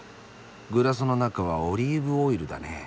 グラスの中はオリーブオイルだね。